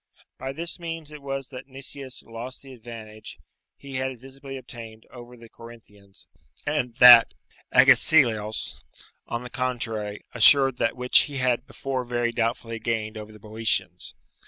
By this means it was that Nicias lost the advantage he had visibly obtained over the Corinthians, and that Agesilaus, on the contrary, assured that which he had before very doubtfully gained over the Boeotians.